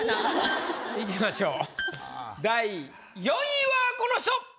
いきましょう第４位はこの人！